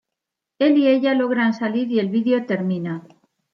Él y ella logran salir y el video termina.